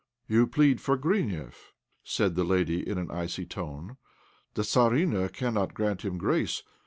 "You plead for Grineff," said the lady, in an icy tone. "The Tzarina cannot grant him grace.